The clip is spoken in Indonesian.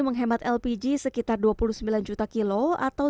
menghemat lpg sekitar dua puluh sembilan juta kilo atau